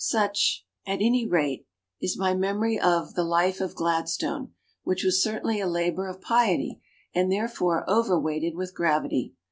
Such, at any rate, is my memory of the "Life of Gladstone", which was certainly a labor of piety, and therefore over weighted with gravity.